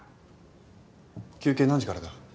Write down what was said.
休憩何時からだ？